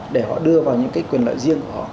để họ đưa vào những cái quyền lợi riêng của họ